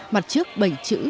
mặt trước bảy trự